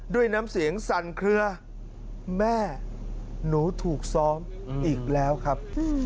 ด้วยน้ำเสียงสั่นเคลือแม่หนูถูกซ้อมอีกแล้วครับ